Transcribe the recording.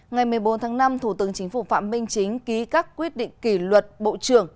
ngày một mươi bốn tháng năm thủ tướng chính phủ phạm minh chính ký các quyết định kỷ luật bộ trưởng